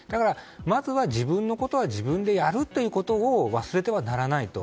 まずは自分のことは自分でやるということを忘れてはならないと。